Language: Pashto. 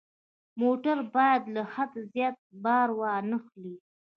موټر باید له حد زیات بار وانه خلي.